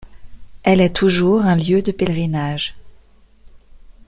Elle est toujours un lieu de pèlerinage.